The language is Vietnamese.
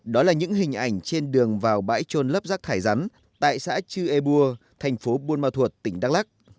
đó là những hình ảnh trên đường vào bãi trôn lấp rác thải rắn tại xã chư e bua thành phố buôn ma thuột tỉnh đắk lắc